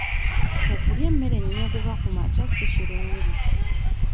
Okulya emmere ennyogoga kumakya si kirungi.